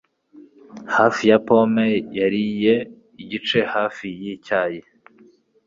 Hafi ya pome yariye igice hafi yicyayi.